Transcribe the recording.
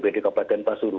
kemudian bahwanas hobi